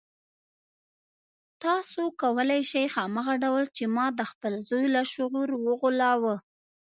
تاسې کولای شئ هماغه ډول چې ما د خپل زوی لاشعور وغولاوه.